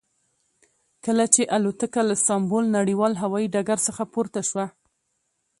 کله چې الوتکه له استانبول نړیوال هوایي ډګر څخه پورته شوه.